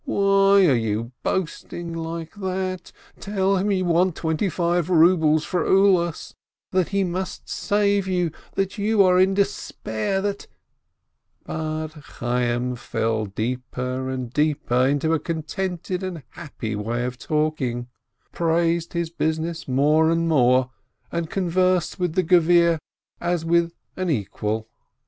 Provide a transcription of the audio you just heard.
"Why are you boast ing like that? Tell him you want twenty five rubles for Ulas — that he must save you, that you are in despair, that —" But Chayyim fell deeper and deeper into a contented and happy way of talking, praised his business more and more, and conversed with the Gevir as with an equal.